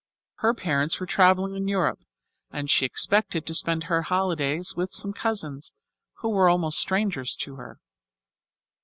Her parents were travelling in Europe, and she expected to spend her holidays with some cousins, who were almost strangers to her.